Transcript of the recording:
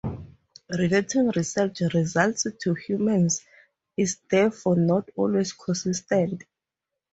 Relating research results to humans is therefore not always consistent.